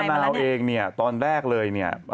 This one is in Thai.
นาวเองเนี่ยตอนแรกเลยเนี่ย